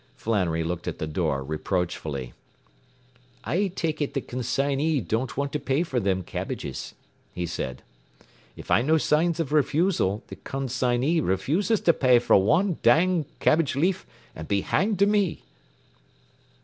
Flannery looked at the door reproachfully. “I take ut the con sign y don't want to pay for thim kebbages,” he said. “If I know signs of refusal, the con sign y refuses to pay for wan dang kebbage leaf an' be hanged to me!